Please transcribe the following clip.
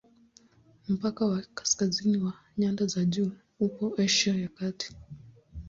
Mpaka wa kaskazini wa nyanda za juu upo Asia ya Kati.